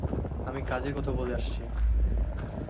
আমি কাজের কথা বলে আসছি।